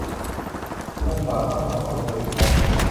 สามารถนำข้อมูลไปวิเคราะห์